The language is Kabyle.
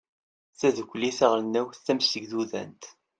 tadukli taɣelnawt tamsegdudant